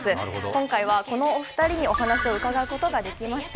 今回はこのお二人にお話を伺うことができました。